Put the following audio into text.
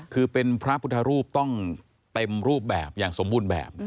คือเป็นพระพุทธรูปต้องเต็มรูปแบบอย่างสมบูรณ์แบบ